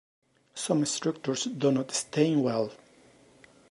Some structures do not stain well.